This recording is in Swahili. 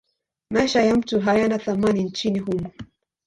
Maisha ya mtu hayana thamani nchini humo.